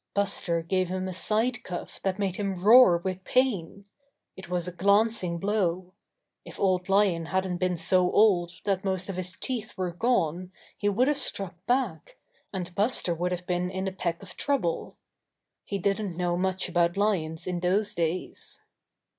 Buster gave him a side cuff that made him roar with pain. It was a glancing blow. If Old Lion hadn't been so old that most of his teeth were gone he would have struck back, and Buster Saves Chiquita 75 Buster v^ould have been in a peck of trouble. He didn't know much about lions in those days.